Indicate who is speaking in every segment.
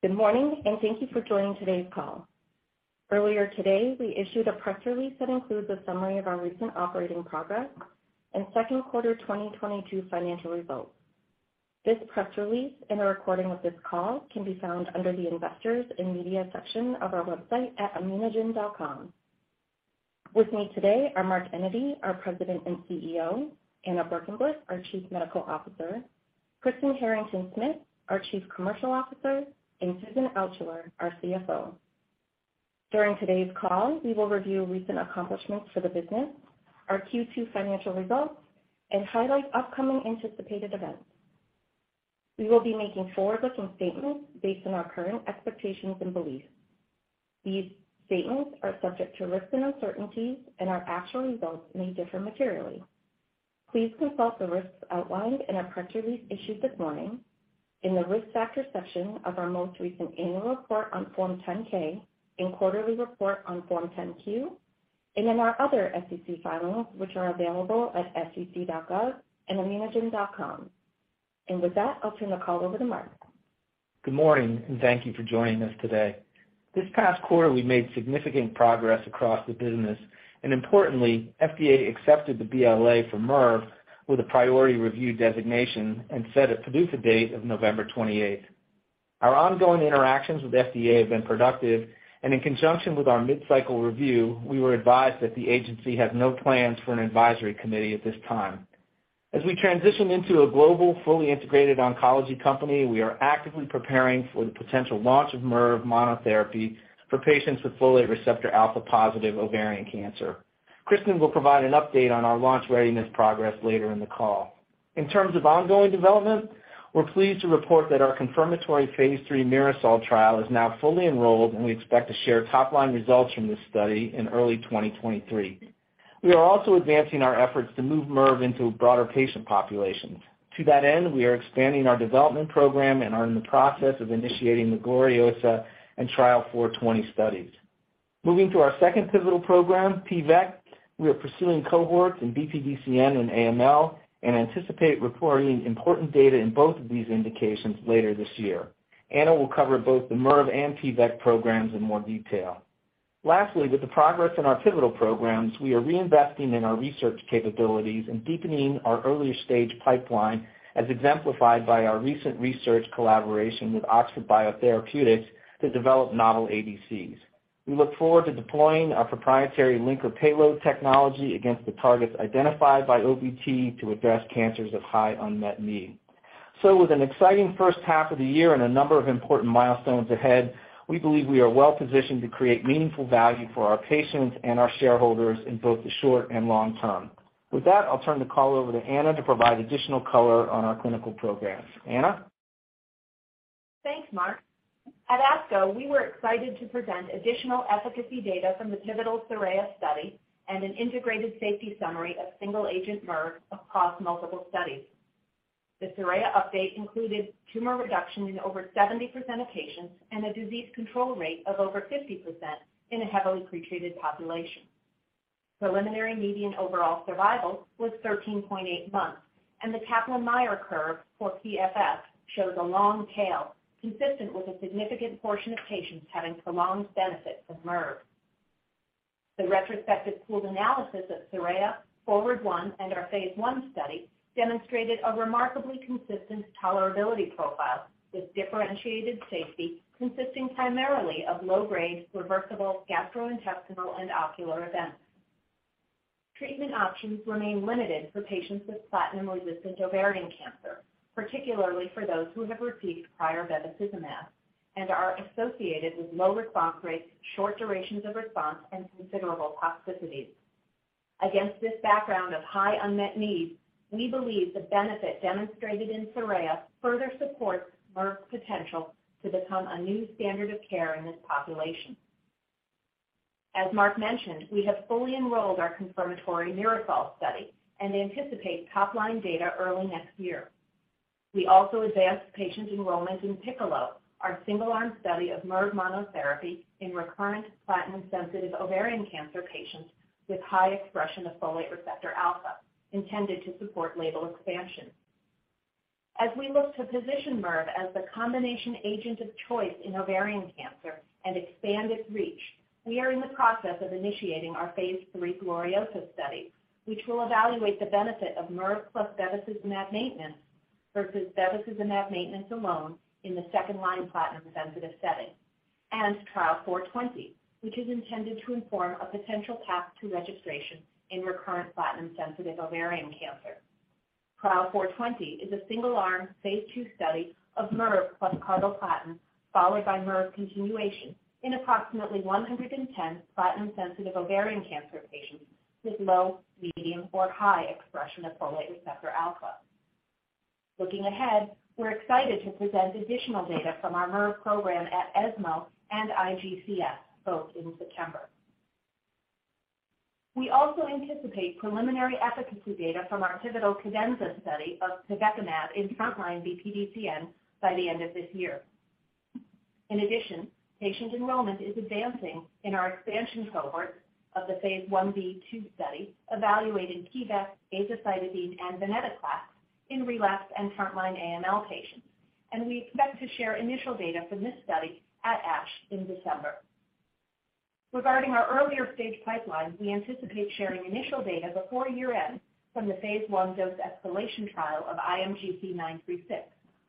Speaker 1: Good morning, and thank you for joining today's call. Earlier today, we issued a press release that includes a summary of our recent operating progress and Q2 2022 financial results. This press release and a recording of this call can be found under the Investors and Media section of our website at immunogen.com. With me today are Mark Enyedy, our President and CEO, Anna Berkenblit, our Chief Medical Officer, Kristen Harrington-Smith, our Chief Commercial Officer, and Susan Altschuller, our CFO. During today's call, we will review recent accomplishments for the business, our Q2 financial results, and highlight upcoming anticipated events. We will be making forward-looking statements based on our current expectations and beliefs. These statements are subject to risks and uncertainties, and our actual results may differ materially. Please consult the risks outlined in our press release issued this morning in the Risk Factor section of our most recent annual report on Form 10-K and quarterly report on Form 10-Q, and in our other SEC filings, which are available at sec.gov and immunogen.com. With that, I'll turn the call over to Mark.
Speaker 2: Good morning, and thank you for joining us today. This past quarter, we made significant progress across the business, and importantly, FDA accepted the BLA for MIRV with a priority review designation and set a PDUFA date of November 28. Our ongoing interactions with FDA have been productive, and in conjunction with our mid-cycle review, we were advised that the agency has no plans for an advisory committee at this time. As we transition into a global, fully integrated oncology company, we are actively preparing for the potential launch of MIRV monotherapy for patients with folate receptor alpha-positive ovarian cancer. Kristen will provide an update on our launch readiness progress later in the call. In terms of ongoing development, we're pleased to report that our confirmatory phase III MIRASOL trial is now fully enrolled, and we expect to share top-line results from this study in early 2023. We are also advancing our efforts to move MIRV into broader patient populations. To that end, we are expanding our development program and are in the process of initiating the GLORIOSA and Trial 420 studies. Moving to our second pivotal program, PVEK, we are pursuing cohorts in BPDCN and AML and anticipate reporting important data in both of these indications later this year. Anna will cover both the MIRV and PVEK programs in more detail. Lastly, with the progress in our pivotal programs, we are reinvesting in our research capabilities and deepening our earlier stage pipeline, as exemplified by our recent research collaboration with Oxford BioTherapeutics to develop novel ADCs. We look forward to deploying our proprietary linker-payload technology against the targets identified by OBT to address cancers of high unmet need. With an exciting first half of the year and a number of important milestones ahead, we believe we are well-positioned to create meaningful value for our patients and our shareholders in both the short and long term. With that, I'll turn the call over to Anna to provide additional color on our clinical programs. Anna?
Speaker 3: Thanks, Mark. At ASCO, we were excited to present additional efficacy data from the pivotal SORAYA study and an integrated safety summary of single-agent MIRV across multiple studies. The SORAYA update included tumor reduction in over 70% of patients and a disease control rate of over 50% in a heavily pretreated population. Preliminary median overall survival was 13.8 months, and the Kaplan-Meier curve for PFS shows a long tail, consistent with a significant portion of patients having prolonged benefit with MIRV. The retrospective pooled analysis of SORAYA, FORWARD I, and our phase I study demonstrated a remarkably consistent tolerability profile with differentiated safety consisting primarily of low-grade reversible gastrointestinal and ocular events. Treatment options remain limited for patients with platinum-resistant ovarian cancer, particularly for those who have received prior bevacizumab, and are associated with low response rates, short durations of response, and considerable toxicities. Against this background of high unmet needs, we believe the benefit demonstrated in SORAYA further supports MIRV's potential to become a new standard of care in this population. As Mark mentioned, we have fully enrolled our confirmatory MIRASOL study and anticipate top-line data early next year. We also advanced patient enrollment in PICCOLO, our single-arm study of MIRV monotherapy in recurrent platinum-sensitive ovarian cancer patients with high expression of folate receptor alpha, intended to support label expansion. As we look to position MIRV as the combination agent of choice in ovarian cancer and expand its reach, we are in the process of initiating our phase III GLORIOSA study, which will evaluate the benefit of MIRV plus bevacizumab maintenance versus bevacizumab maintenance alone in the second-line platinum-sensitive setting, and Trial 420, which is intended to inform a potential path to registration in recurrent platinum-sensitive ovarian cancer. Trial 420 is a single-arm phase II study of MIRV plus carboplatin followed by MIRV continuation in approximately 110 platinum-sensitive ovarian cancer patients with low, medium, or high expression of folate receptor alpha. Looking ahead, we're excited to present additional data from our MIRV program at ESMO and IGCS, both in September. We also anticipate preliminary efficacy data from our pivotal CADENZA study of pivekimab in frontline BPDCN by the end of this year. In addition, patient enrollment is advancing in our expansion cohort of the phase I-b/II study evaluating pivekimab, azacitidine, and venetoclax in relapse and frontline AML patients, and we expect to share initial data from this study at ASH in December. Regarding our earlier stage pipeline, we anticipate sharing initial data before year-end from the phase I dose escalation trial of IMGC936,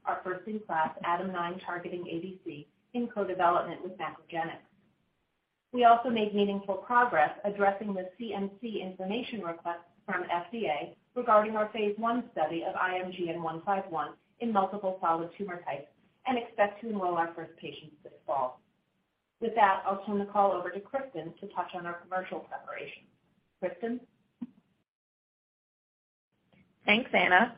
Speaker 3: our first-in-class ADAM9 targeting ADC in co-development with MacroGenics. We also made meaningful progress addressing the CMC information request from FDA regarding our phase I study of IMGN151 in multiple solid tumor types and expect to enroll our first patients this fall. With that, I'll turn the call over to Kristen to touch on our commercial preparations. Kristen?
Speaker 4: Thanks, Anna.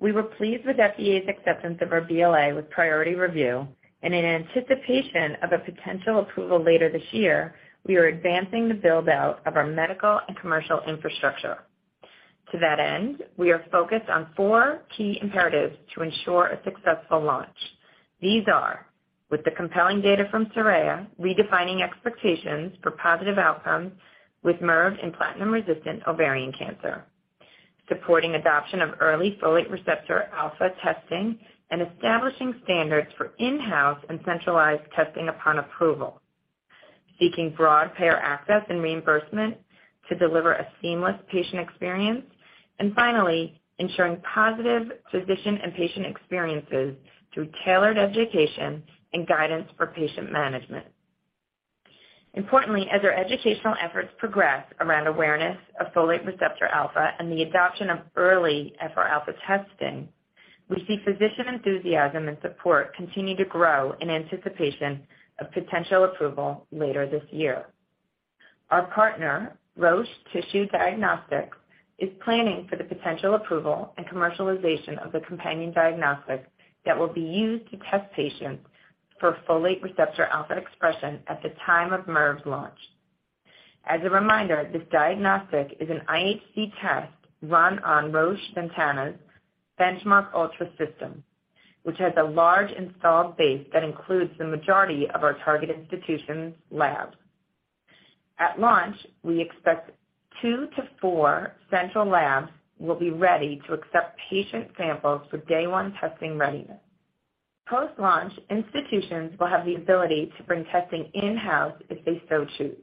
Speaker 4: We were pleased with FDA's acceptance of our BLA with priority review, and in anticipation of a potential approval later this year, we are advancing the build-out of our medical and commercial infrastructure. To that end, we are focused on four key imperatives to ensure a successful launch. These are with the compelling data from SORAYA, redefining expectations for positive outcomes with MIRV in platinum-resistant ovarian cancer. Supporting adoption of early folate receptor alpha testing and establishing standards for in-house and centralized testing upon approval. Seeking broad payer access and reimbursement to deliver a seamless patient experience. And finally, ensuring positive physician and patient experiences through tailored education and guidance for patient management. Importantly, as our educational efforts progress around awareness of folate receptor alpha and the adoption of early FR alpha testing, we see physician enthusiasm and support continue to grow in anticipation of potential approval later this year. Our partner, Roche Tissue Diagnostics, is planning for the potential approval and commercialization of the companion diagnostic that will be used to test patients for folate receptor alpha expression at the time of MIRV's launch. As a reminder, this diagnostic is an IHC test run on Roche Ventana's BenchMark ULTRA system, which has a large installed base that includes the majority of our target institutions' labs. At launch, we expect 2-4 central labs will be ready to accept patient samples for day one testing readiness. Post-launch, institutions will have the ability to bring testing in-house if they so choose.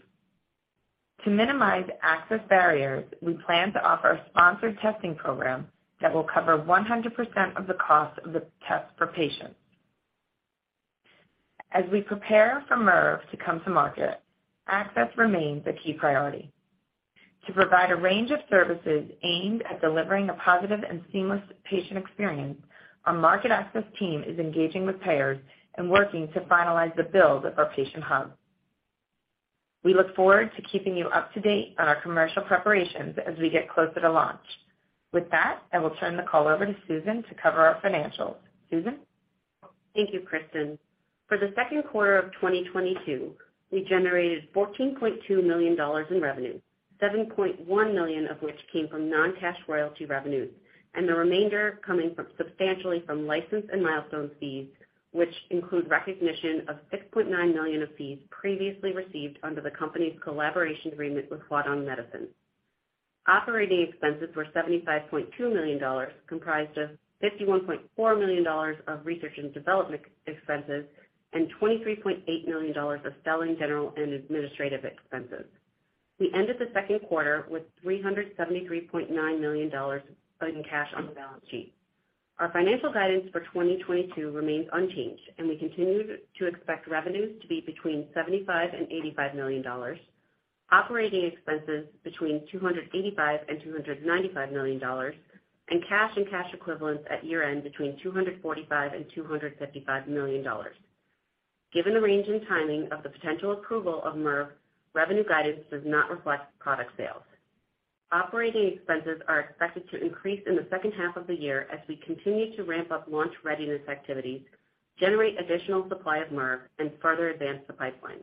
Speaker 4: To minimize access barriers, we plan to offer a sponsored testing program that will cover 100% of the cost of the test for patients. As we prepare for MIRV to come to market, access remains a key priority. To provide a range of services aimed at delivering a positive and seamless patient experience, our market access team is engaging with payers and working to finalize the build of our patient hub. We look forward to keeping you up to date on our commercial preparations as we get closer to launch. With that, I will turn the call over to Susan to cover our financials. Susan?
Speaker 5: Thank you, Kristen. For the second quarter of 2022, we generated $14.2 million in revenue, $7.1 million of which came from non-cash royalty revenues and the remainder coming substantially from license and milestone fees, which include recognition of $6.9 million of fees previously received under the company's collaboration agreement with Huadong Medicine. Operating expenses were $75.2 million, comprised of $51.4 million of research and development expenses and $23.8 million of selling, general and administrative expenses. We ended the second quarter with $373.9 million of cash on the balance sheet. Our financial guidance for 2022 remains unchanged, and we continue to expect revenues to be between $75-$85 million, operating expenses between $285-$295 million, and cash and cash equivalents at year-end between $245-$255 million. Given the range and timing of the potential approval of MIRV, revenue guidance does not reflect product sales. Operating expenses are expected to increase in the second half of the year as we continue to ramp up launch readiness activities, generate additional supply of MIRV, and further advance the pipeline.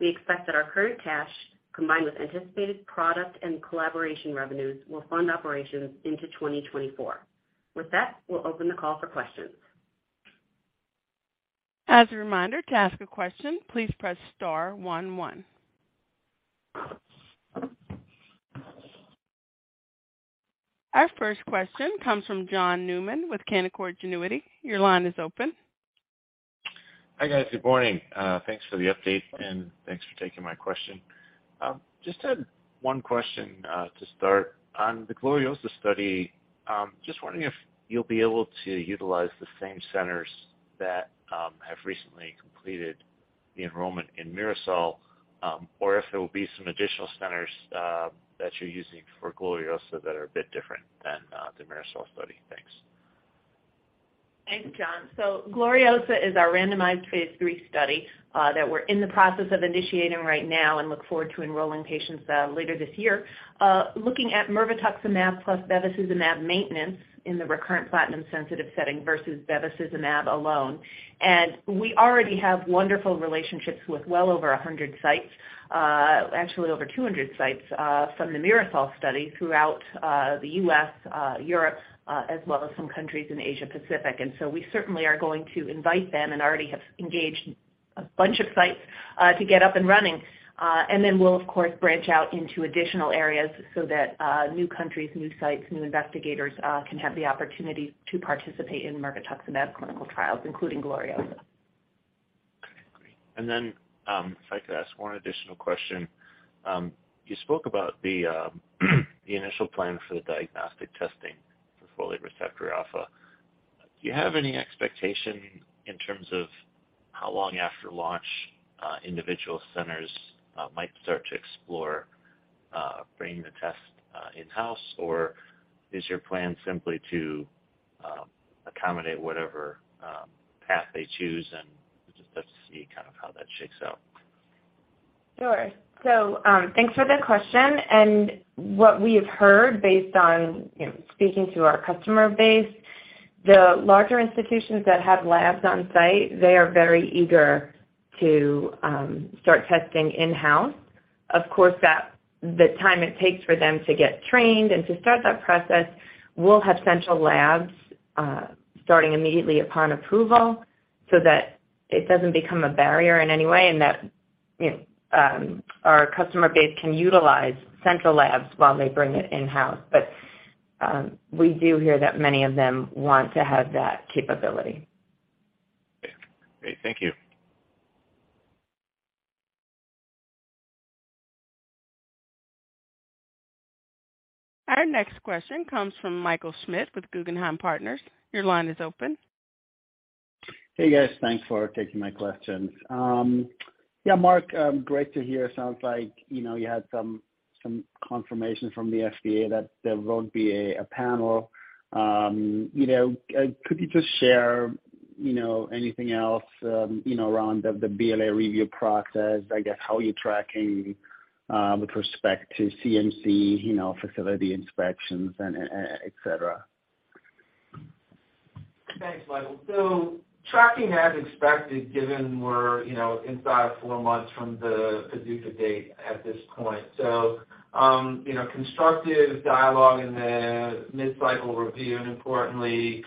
Speaker 5: We expect that our current cash, combined with anticipated product and collaboration revenues, will fund operations into 2024. With that, we'll open the call for questions.
Speaker 6: As a reminder, to ask a question, please press star one one. Our first question comes from John Newman with Canaccord Genuity. Your line is open.
Speaker 7: Hi, guys. Good morning. Thanks for the update and thanks for taking my question. Just had one question to start. On the GLORIOSA study, just wondering if you'll be able to utilize the same centers that have recently completed the enrollment in MIRASOL, or if there will be some additional centers that you're using for GLORIOSA that are a bit different than the MIRASOL study. Thanks.
Speaker 3: Thanks, John. GLORIOSA is our randomized phase III study that we're in the process of initiating right now and look forward to enrolling patients later this year looking at mirvetuximab plus bevacizumab maintenance in the recurrent platinum-sensitive setting versus bevacizumab alone. We already have wonderful relationships with well over 100 sites, actually over 200 sites, from the MIRASOL study throughout the U.S., Europe, as well as some countries in Asia Pacific. We certainly are going to invite them and already have engaged a bunch of sites to get up and running. We'll of course branch out into additional areas so that new countries, new sites, new investigators can have the opportunity to participate in mirvetuximab clinical trials, including GLORIOSA.
Speaker 7: If I could ask one additional question. You spoke about the initial plan for the diagnostic testing for folate receptor alpha. Do you have any expectation in terms of how long after launch individual centers might start to explore bringing the test in-house? Or is your plan simply to accommodate whatever path they choose, and just let's see kind of how that shakes out?
Speaker 3: Sure. Thanks for the question. What we have heard based on, you know, speaking to our customer base, the larger institutions that have labs on site, they are very eager to start testing in-house. Of course, the time it takes for them to get trained and to start that process, we'll have central labs starting immediately upon approval so that it doesn't become a barrier in any way and that, you know, our customer base can utilize central labs while they bring it in-house. We do hear that many of them want to have that capability.
Speaker 7: Okay. Great. Thank you.
Speaker 6: Our next question comes from Michael Schmidt with Guggenheim Partners. Your line is open.
Speaker 8: Hey, guys. Thanks for taking my questions. Yeah, Mark, great to hear. Sounds like you had some confirmation from the FDA that there won't be a panel. Could you just share anything else around the BLA review process? I guess, how are you tracking with respect to CMC facility inspections and et cetera?
Speaker 2: Thanks, Michael. Tracking as expected given we're, you know, inside of four months from the PDUFA date at this point. Constructive dialogue in the mid-cycle review and importantly,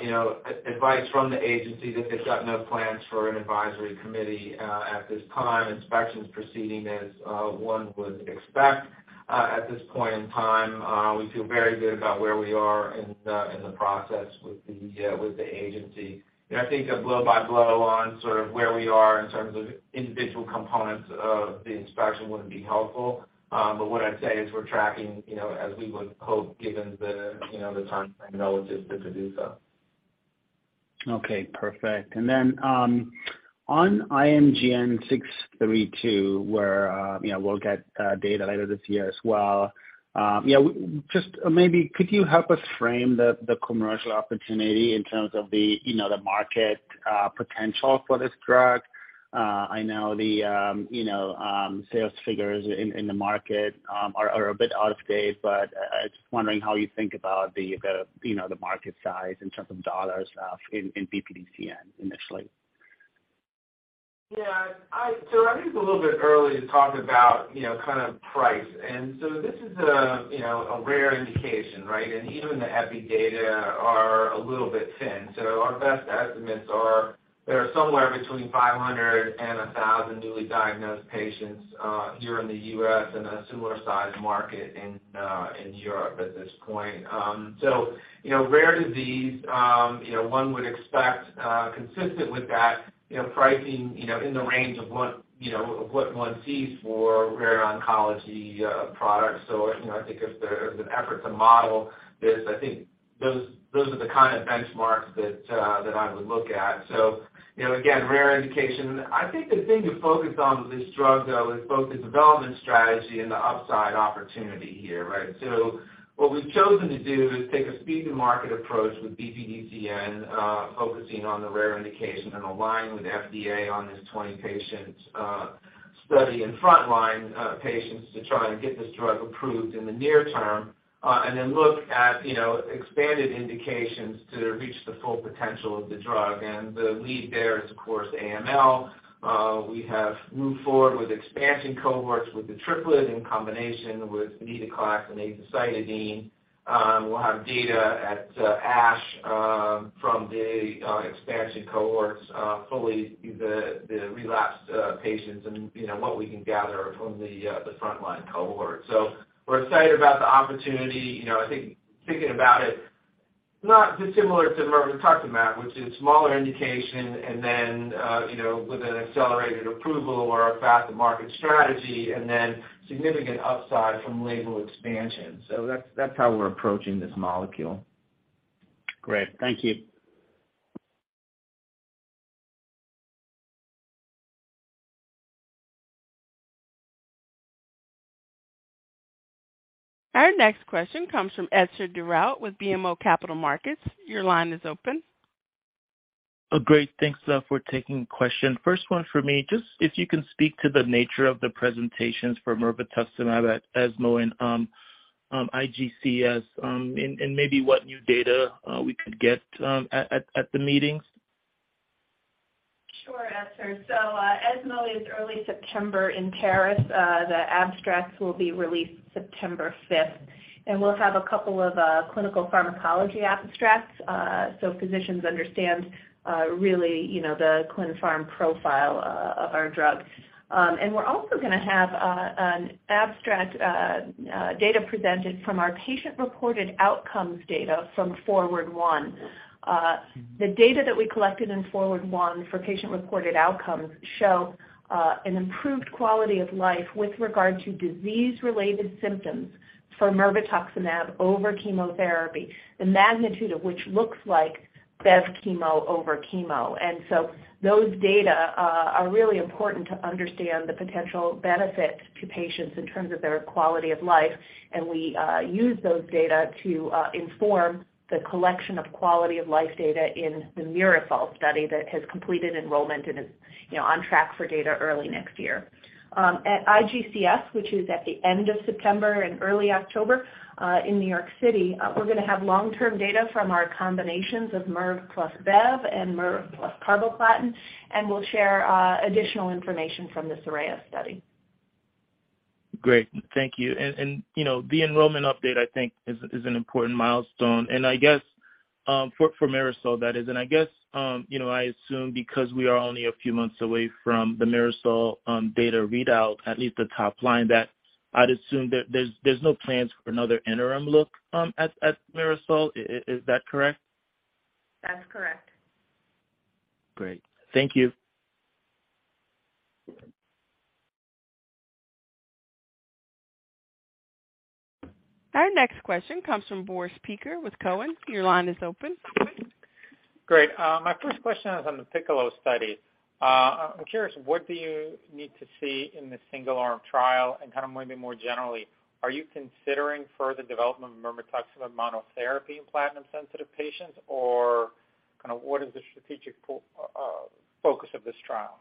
Speaker 2: you know, advice from the agency that they've got no plans for an advisory committee at this time, inspections proceeding as one would expect at this point in time. We feel very good about where we are in the process with the agency. I think a blow-by-blow on sort of where we are in terms of individual components of the inspection wouldn't be helpful. What I'd say is we're tracking, you know, as we would hope given the, you know, the timeframe relative to PDUFA.
Speaker 8: Okay. Perfect. On IMGN632, where you know we'll get data later this year as well. Yeah, just maybe could you help us frame the commercial opportunity in terms of the you know the market potential for this drug? I know the you know sales figures in the market are a bit out of date, but I was just wondering how you think about the you know the market size in terms of dollars in BPDCN initially.
Speaker 2: Yeah. I think it's a little bit early to talk about, you know, kind of price. This is a, you know, a rare indication, right? Even the epi data are a little bit thin. Our best estimates are there are somewhere between 500 and 1,000 newly diagnosed patients here in the U.S. and a similar size market in Europe at this point. You know, rare disease, you know, one would expect consistent with that, you know, pricing, you know, in the range of what, you know, of what one sees for rare oncology products. You know, I think if there is an effort to model this, I think those are the kind of benchmarks that I would look at. You know, again, rare indication. I think the thing to focus on with this drug, though, is both the development strategy and the upside opportunity here, right? What we've chosen to do is take a speed to market approach with BPDCN, focusing on the rare indication and align with FDA on this 20-patient study in front line patients to try and get this drug approved in the near term. Look at, you know, expanded indications to reach the full potential of the drug. The lead there is, of course, AML. We have moved forward with expansion cohorts with the triplet in combination with venetoclax and azacitidine. We'll have data at ASH from the expansion cohorts, the relapsed patients and, you know, what we can gather from the front line cohort. We're excited about the opportunity. You know, I think thinking about it, not dissimilar to mirvetuximab, which is smaller indication and then, you know, with an accelerated approval or a fast-to-market strategy and then significant upside from label expansion. That's how we're approaching this molecule.
Speaker 8: Great. Thank you.
Speaker 6: Our next question comes from Etzer Darout with BMO Capital Markets. Your line is open.
Speaker 9: Oh, great. Thanks for taking the question. First one for me, just if you can speak to the nature of the presentations for mirvetuximab at ESMO and IGCS. Maybe what new data we could get at the meetings.
Speaker 3: Sure, Etzer. ESMO is early September in Paris. The abstracts will be released September fifth, and we'll have a couple of clinical pharmacology abstracts, so physicians understand really, you know, the clin pharm profile of our drug. We're also gonna have an abstract data presented from our patient-reported outcomes data from FORWARD I. The data that we collected in FORWARD I for patient-reported outcomes show an improved quality of life with regard to disease-related symptoms for mirvetuximab over chemotherapy, the magnitude of which looks like Bev-chemo over chemo. Those data are really important to understand the potential benefits to patients in terms of their quality of life, and we use those data to inform the collection of quality-of-life data in the MIRASOL study that has completed enrollment and is, you know, on track for data early next year. At IGCS, which is at the end of September and early October, in New York City, we're gonna have long-term data from our combinations of MIRV plus bev and MIRV plus carboplatin, and we'll share additional information from the SORAYA study.
Speaker 9: Great. Thank you. You know, the enrollment update, I think is an important milestone. I guess for MIRASOL, that is. I guess you know, I assume because we are only a few months away from the MIRASOL data readout, at least the top line, that I'd assume that there's no plans for another interim look at MIRASOL. Is that correct?
Speaker 3: That's correct.
Speaker 9: Great. Thank you.
Speaker 6: Our next question comes from Boris Peaker with Cowen. Your line is open.
Speaker 10: Great. My first question is on the PICCOLO study. I'm curious, what do you need to see in the single-arm trial? Kind of maybe more generally, are you considering further development of mirvetuximab monotherapy in platinum-sensitive patients, or kind of what is the strategic focus of this trial?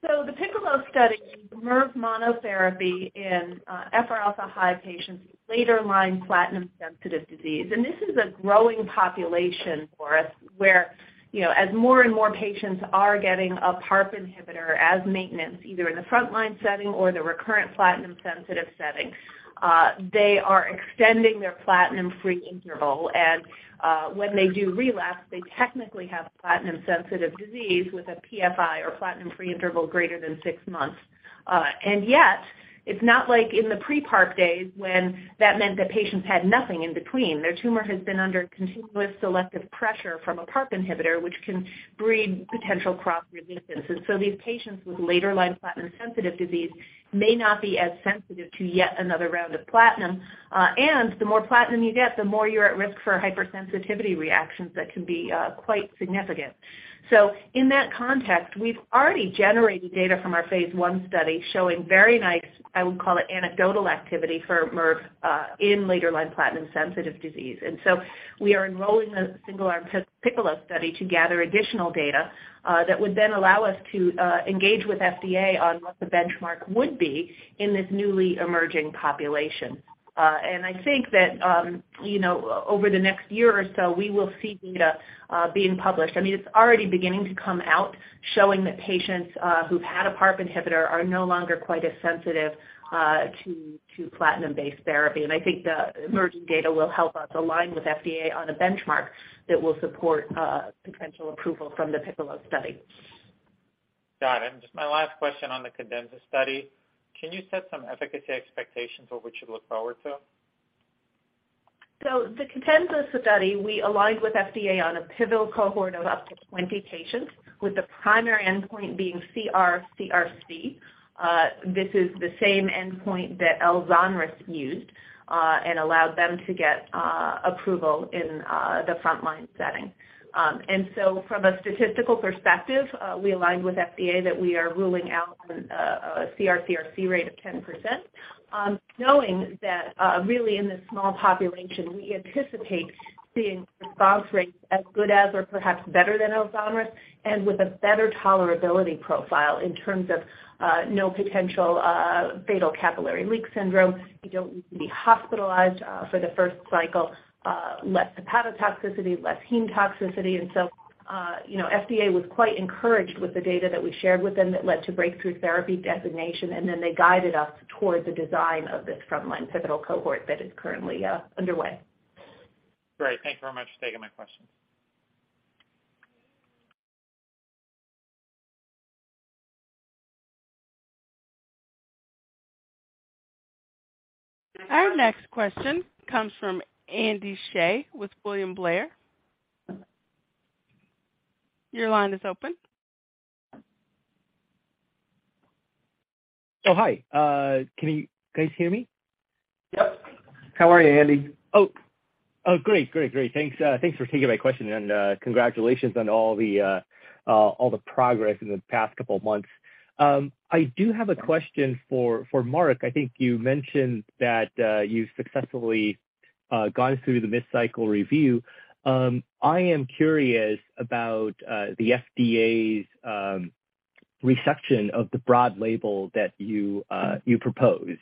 Speaker 3: The PICCOLO study is MIRV monotherapy in FRα high patients with later-line platinum-sensitive disease. This is a growing population for us, where, you know, as more and more patients are getting a PARP inhibitor as maintenance, either in the front-line setting or the recurrent platinum-sensitive setting, they are extending their platinum-free interval. When they do relapse, they technically have platinum-sensitive disease with a PFI or platinum-free interval greater than six months. Yet it's not like in the pre-PARP days when that meant that patients had nothing in between. Their tumor has been under continuous selective pressure from a PARP inhibitor, which can breed potential cross-resistance. These patients with later-line platinum-sensitive disease may not be as sensitive to yet another round of platinum. The more platinum you get, the more you're at risk for hypersensitivity reactions that can be quite significant. In that context, we've already generated data from our phase I study showing very nice, I would call it, anecdotal activity for MIRV in later-line platinum-sensitive disease. We are enrolling a single-arm PICCOLO study to gather additional data that would then allow us to engage with FDA on what the benchmark would be in this newly emerging population. I think that, you know, over the next year or so, we will see data being published. I mean, it's already beginning to come out, showing that patients who've had a PARP inhibitor are no longer quite as sensitive to platinum-based therapy. I think the emerging data will help us align with FDA on a benchmark that will support potential approval from the PICCOLO study.
Speaker 10: Got it. Just my last question on the CADENZA study, can you set some efficacy expectations of what we should look forward to?
Speaker 3: The CADENZA study, we aligned with FDA on a pivotal cohort of up to 20 patients, with the primary endpoint being CR/CRC. This is the same endpoint that ELZONRIS used, and allowed them to get approval in the front-line setting. From a statistical perspective, we aligned with FDA that we are ruling out on a CR/CRC rate of 10%, knowing that really in this small population, we anticipate seeing response rates as good as or perhaps better than ELZONRIS and with a better tolerability profile in terms of no potential fatal capillary leak syndrome. You don't need to be hospitalized for the first cycle, less hepatotoxicity, less heme toxicity. You know, FDA was quite encouraged with the data that we shared with them that led to Breakthrough Therapy designation, and then they guided us towards the design of this front-line pivotal cohort that is currently underway.
Speaker 10: Great. Thank you very much for taking my questions.
Speaker 6: Our next question comes from Andy Hsieh with William Blair. Your line is open.
Speaker 11: Oh, hi. Can you guys hear me?
Speaker 2: Yep. How are you, Andy?
Speaker 11: Oh, great. Thanks for taking my question, and congratulations on all the progress in the past couple months. I do have a question for Mark. I think you mentioned that you've successfully gone through the mid-cycle review. I am curious about the FDA's reception of the broad label that you proposed.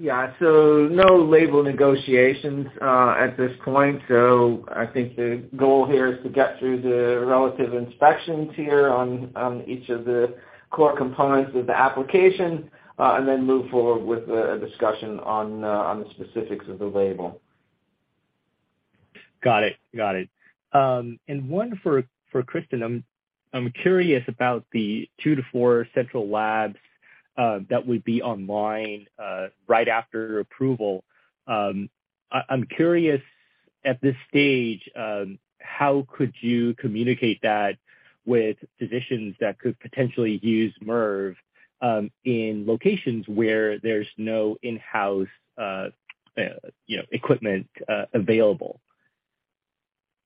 Speaker 2: No label negotiations at this point. I think the goal here is to get through the regulatory inspections here on each of the core components of the application, and then move forward with a discussion on the specifics of the label.
Speaker 11: Got it. One for Kristen. I'm curious about the 2-4 central labs that would be online right after approval. I'm curious at this stage how you could communicate that with physicians that could potentially use MIRV in locations where there's no in-house you know equipment available?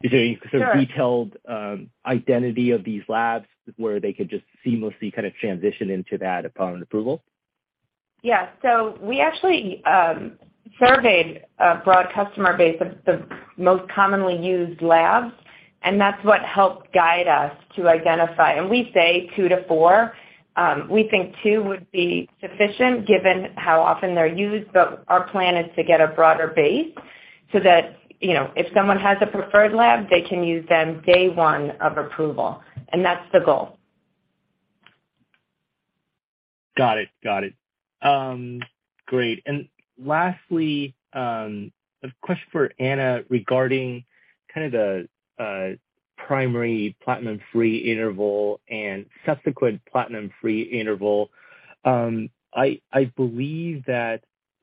Speaker 11: Is there any sort of detailed
Speaker 4: Sure.
Speaker 11: Identity of these labs where they could just seamlessly kind of transition into that upon approval?
Speaker 4: We actually surveyed a broad customer base of the most commonly used labs, and that's what helped guide us to identify. We say 2-4, we think 2 would be sufficient given how often they're used. Our plan is to get a broader base so that, you know, if someone has a preferred lab, they can use them day one of approval. That's the goal.
Speaker 11: Got it. Great. Lastly, a question for Anna regarding kind of the primary platinum-free interval and subsequent platinum-free interval. I believe that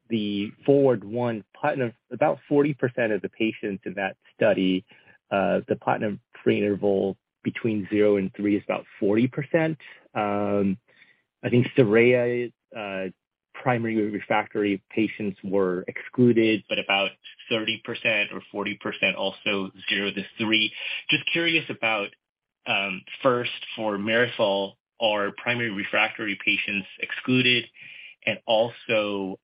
Speaker 11: the FORWARD I, about 40% of the patients in that study, the platinum-free interval between 0 and 3 is about 40%. I think SORAYA's primary refractory patients were excluded, but about 30% or 40%, also 0 to 3. Just curious about, first for MIRASOL, are primary refractory patients excluded? And also,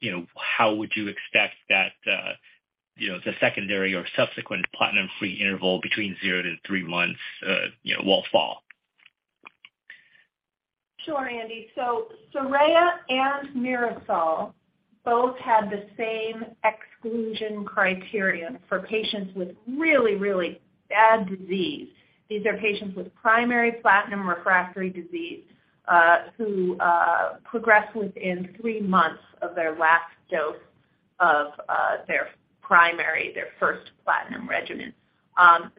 Speaker 11: you know, how would you expect that, you know, the secondary or subsequent platinum-free interval between 0 to 3 months, you know, will fall?
Speaker 3: Sure, Andy. SORAYA and MIRASOL both had the same exclusion criteria for patients with really bad disease. These are patients with primary platinum refractory disease who progress within three months of their last dose of their first platinum regimen.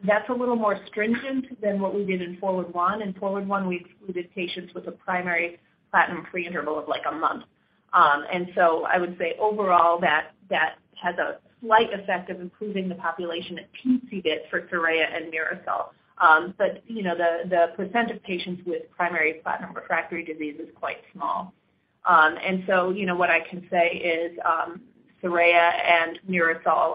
Speaker 3: That's a little more stringent than what we did in FORWARD I. In FORWARD I, we excluded patients with a primary platinum-free interval of like a month. I would say overall that that has a slight effect of improving the population that fits for SORAYA and MIRASOL. But you know the percent of patients with primary platinum refractory disease is quite small. What I can say is SORAYA and MIRASOL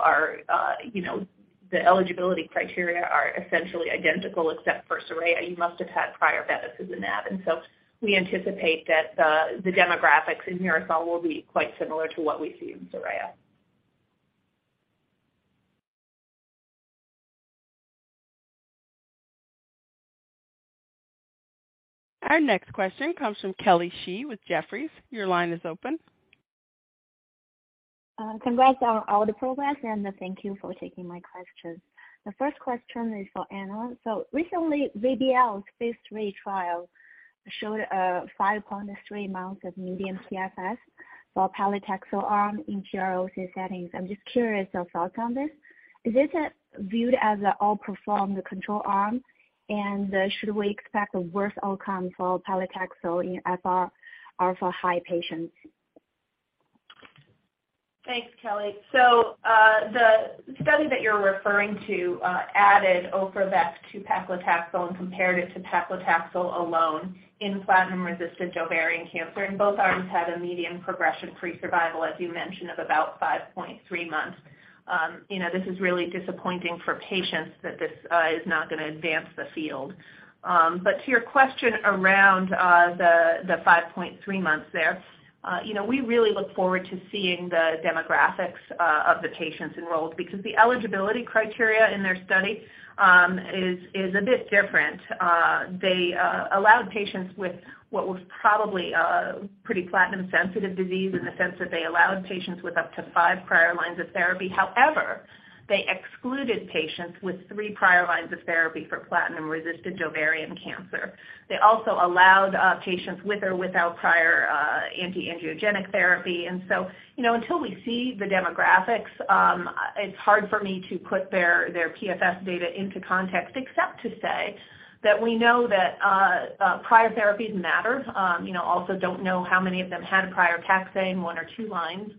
Speaker 3: you know the eligibility criteria are essentially identical except for SORAYA, you must have had prior bevacizumab in that. We anticipate that the demographics in MIRASOL will be quite similar to what we see in SORAYA.
Speaker 6: Our next question comes from Kelly Shi with Jefferies. Your line is open.
Speaker 12: Congrats on all the progress, and thank you for taking my questions. The first question is for Anna. Recently VBL's phase III trial showed 5.3 months of median PFS for paclitaxel arm in PROC settings. I'm just curious your thoughts on this. Is this viewed as adequate performance for the control arm? And should we expect a worse outcome for paclitaxel in FR alpha high patients?
Speaker 3: Thanks, Kelly. The study that you're referring to added ofra-vec to paclitaxel and compared it to paclitaxel alone in platinum-resistant ovarian cancer. Both arms had a median progression-free survival, as you mentioned, of about 5.3 months. You know, this is really disappointing for patients that this is not gonna advance the field. To your question around the 5.3 months there, you know, we really look forward to seeing the demographics of the patients enrolled because the eligibility criteria in their study is a bit different. They allowed patients with what was probably a pretty platinum-sensitive disease in the sense that they allowed patients with up to 5 prior lines of therapy. However, they excluded patients with 3 prior lines of therapy for platinum-resistant ovarian cancer. They also allowed patients with or without prior anti-angiogenic therapy. You know, until we see the demographics, it's hard for me to put their PFS data into context, except to say that we know that prior therapies matter. You know, also don't know how many of them had prior taxane, one or two lines.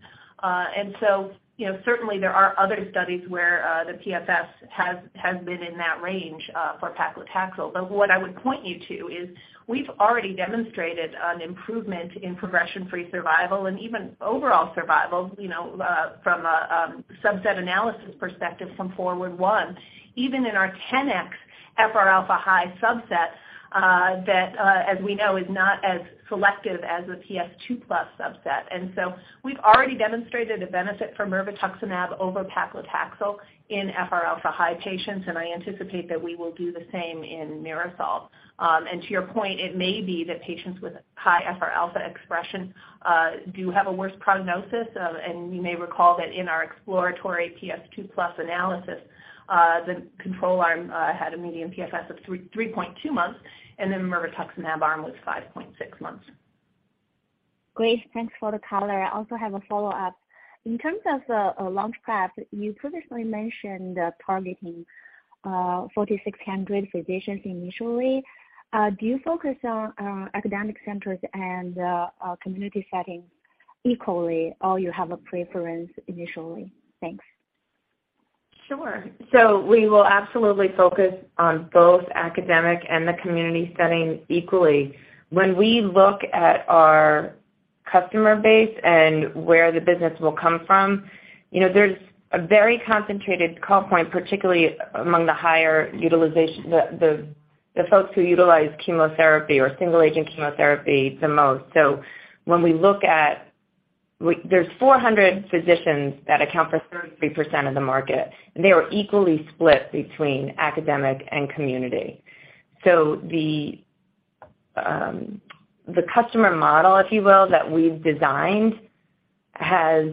Speaker 3: You know, certainly there are other studies where the PFS has been in that range for paclitaxel. What I would point you to is we've already demonstrated an improvement in progression-free survival and even overall survival, you know, from a subset analysis perspective from FORWARD I, even in our 10x FR alpha high subset, that, as we know, is not as selective as the PS2+ subset. We've already demonstrated a benefit for mirvetuximab over paclitaxel in FR alpha high patients, and I anticipate that we will do the same in MIRASOL. To your point, it may be that patients with high FR alpha expression do have a worse prognosis. You may recall that in our exploratory PS2+ analysis, the control arm had a median PFS of 3.2 months, and the mirvetuximab arm was 5.6 months.
Speaker 12: Great. Thanks for the color. I also have a follow-up. In terms of a launch prep, you previously mentioned targeting 40-600 physicians initially. Do you focus on academic centers and community settings equally, or you have a preference initially? Thanks.
Speaker 4: Sure. We will absolutely focus on both academic and the community setting equally. When we look at our customer base and where the business will come from, you know, there's a very concentrated call point, particularly among the higher utilization, the folks who utilize chemotherapy or single agent chemotherapy the most. When we look at there's 400 physicians that account for 33% of the market, and they are equally split between academic and community. The customer model, if you will, that we've designed has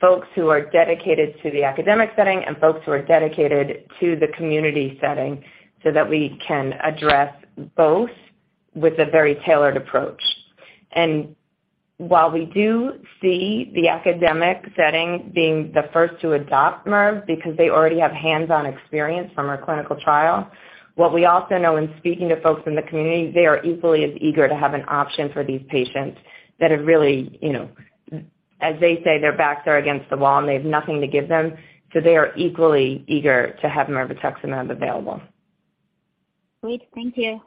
Speaker 4: folks who are dedicated to the academic setting and folks who are dedicated to the community setting so that we can address both with a very tailored approach. While we do see the academic setting being the first to adopt MIRV because they already have hands-on experience from our clinical trial, what we also know in speaking to folks in the community, they are equally as eager to have an option for these patients that have really, you know, as they say, their backs are against the wall and they have nothing to give them. They are equally eager to have mirvetuximab available.
Speaker 12: Great. Thank you.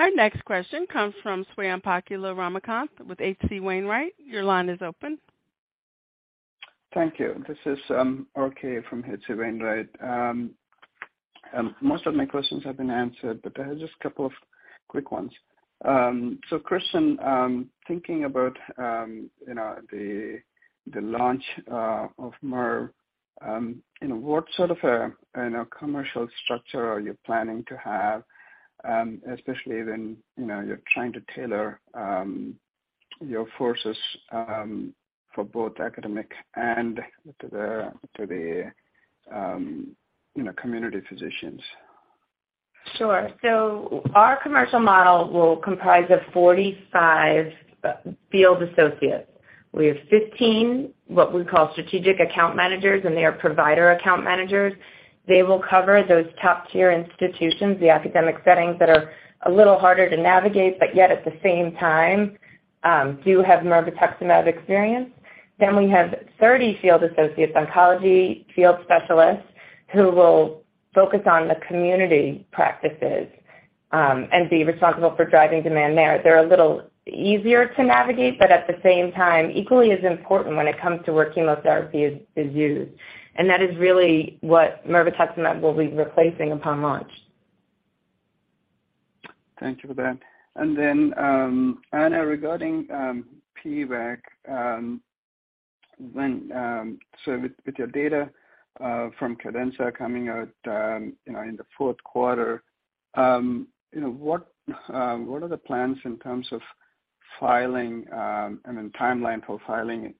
Speaker 6: Our next question comes from Swayampakula Ramakanth with H.C. Wainwright. Your line is open.
Speaker 13: Thank you. This is RK from H.C. Wainwright. Most of my questions have been answered, but I have just a couple of quick ones. Kristen, thinking about you know the launch of MIRV you know what sort of a you know commercial structure are you planning to have especially when you know you're trying to tailor your sales forces for both academic and community physicians?
Speaker 4: Sure. Our commercial model will comprise of 45 field associates. We have 15, what we call strategic account managers, and they are provider account managers. They will cover those top-tier institutions, the academic settings that are a little harder to navigate, but yet at the same time, do have mirvetuximab experience. We have 30 field associates, oncology field specialists who will focus on the community practices, and be responsible for driving demand there. They're a little easier to navigate, but at the same time, equally as important when it comes to where chemotherapy is used. That is really what mirvetuximab will be replacing upon launch.
Speaker 13: Thank you for that. Anna, regarding PVEK, with your data from CADENZA coming out, you know, in the fourth quarter, you know, what are the plans in terms of filing, I mean, timeline for filing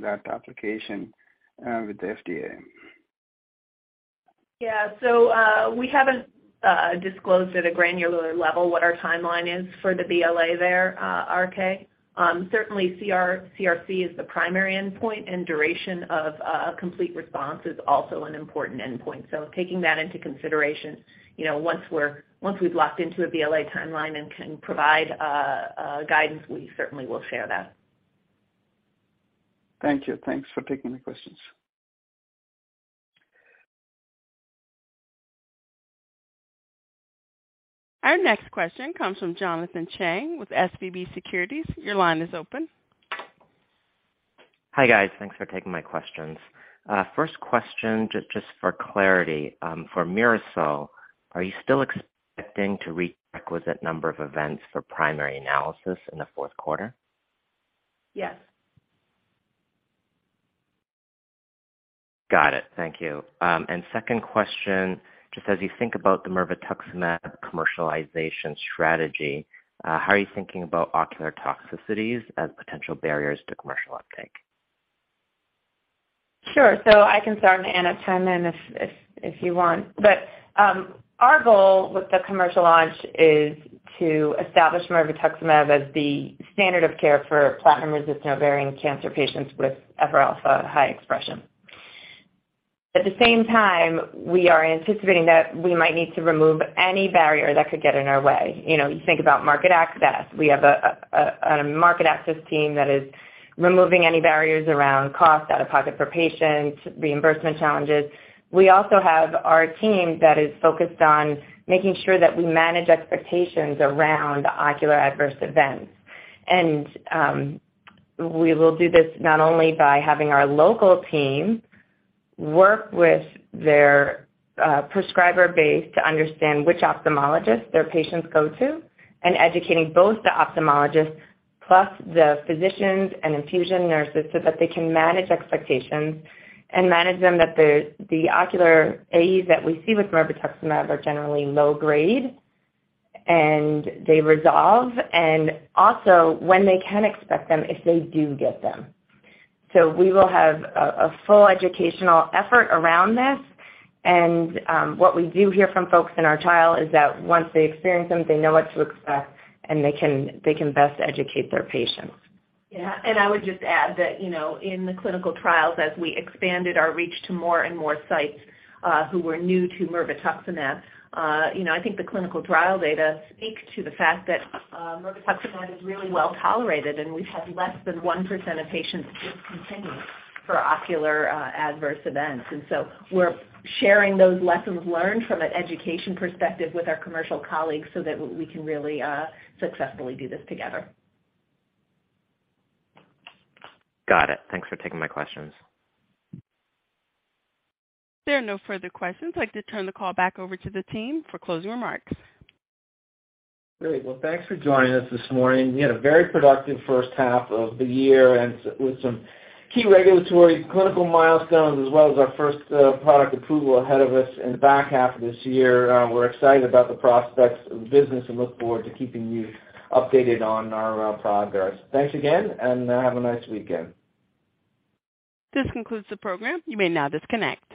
Speaker 13: that application with the FDA?
Speaker 3: We haven't disclosed at a granular level what our timeline is for the BLA there, RK. Certainly CR/CRC is the primary endpoint, and duration of complete response is also an important endpoint. Taking that into consideration, you know, once we've locked into a BLA timeline and can provide guidance, we certainly will share that.
Speaker 13: Thank you. Thanks for taking the questions.
Speaker 6: Our next question comes from Jonathan Chang with SVB Securities. Your line is open.
Speaker 14: Hi, guys. Thanks for taking my questions. First question, just for clarity, for MIRASOL, are you still expecting to reach requisite number of events for primary analysis in the fourth quarter?
Speaker 3: Yes.
Speaker 14: Got it. Thank you. Second question, just as you think about the mirvetuximab commercialization strategy, how are you thinking about ocular toxicities as potential barriers to commercial uptake?
Speaker 4: Sure. I can start and Anna chime in if you want. Our goal with the commercial launch is to establish mirvetuximab as the standard of care for platinum-resistant ovarian cancer patients with FR alpha high expression. At the same time, we are anticipating that we might need to remove any barrier that could get in our way. You know, you think about market access. We have a market access team that is removing any barriers around cost out of pocket for patients, reimbursement challenges. We also have our team that is focused on making sure that we manage expectations around ocular adverse events. We will do this not only by having our local team work with their prescriber base to understand which ophthalmologist their patients go to and educating both the ophthalmologist plus the physicians and infusion nurses so that they can manage expectations and manage them that the ocular AEs that we see with mirvetuximab are generally low grade, and they resolve, and also when they can expect them if they do get them. We will have a full educational effort around this. What we do hear from folks in our trial is that once they experience them, they know what to expect, and they can best educate their patients.
Speaker 3: Yeah. I would just add that, you know, in the clinical trials, as we expanded our reach to more and more sites, who were new to mirvetuximab, you know, I think the clinical trial data speaks to the fact that, mirvetuximab is really well tolerated, and we've had less than 1% of patients discontinue for ocular adverse events. We're sharing those lessons learned from an education perspective with our commercial colleagues so that we can really successfully do this together.
Speaker 14: Got it. Thanks for taking my questions.
Speaker 6: There are no further questions. I'd like to turn the call back over to the team for closing remarks.
Speaker 2: Great. Well, thanks for joining us this morning. We had a very productive first half of the year with some key regulatory clinical milestones, as well as our first product approval ahead of us in the back half of this year. We're excited about the prospects of the business and look forward to keeping you updated on our progress. Thanks again, and have a nice weekend.
Speaker 6: This concludes the program. You may now disconnect.